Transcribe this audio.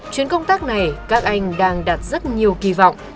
chuyến công tác này các anh đang đặt rất nhiều kỳ vọng